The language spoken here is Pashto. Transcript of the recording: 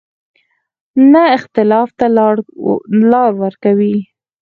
نه اختلاف ته لار ورکوي.